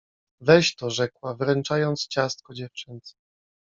— Weź to — rzekła, wręczając ciastko dziewczynce.